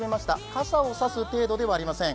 傘を差す程度ではありません。